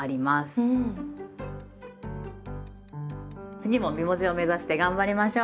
次も美文字を目指して頑張りましょう！